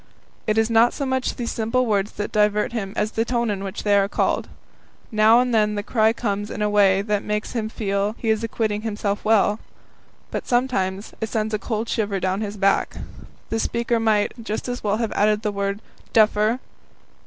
It is not so much these simple words that divert him as the tone in which they are called. Now and then the cry comes in a way that makes him feel he is acquitting himself well. But sometimes it sends a cold shiver down his back; the speaker might just as well have added the word "Duffer!"